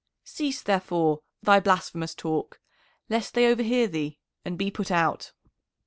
Cease, therefore, thy blasphemous talk, lest they overhear thee and be put out."